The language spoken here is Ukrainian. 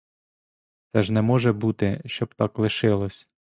Це ж не може бути, щоб так лишилось.